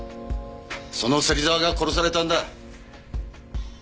その芹沢が殺されたんだ。